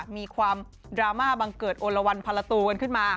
มีความดราม่าบังเกิดโอละวันพันละตูกันขึ้นมา